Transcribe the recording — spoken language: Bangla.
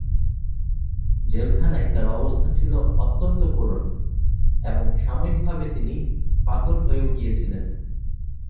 জেলখানায় তার অবস্থা ছিল অত্যন্ত করুন এবং সাময়িকভাবে তিনি পাগল হয়েও গিয়েছিলেন।